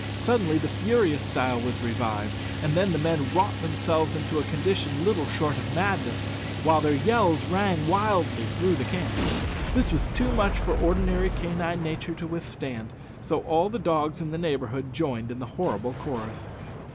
Suddenly the furious style was revived, and the men wrought themselves into a condition little short of madness, while their yells rang wildly through the camp. This was too much for ordinary canine nature to withstand, so all the dogs in the neighbourhood joined in the horrible chorus.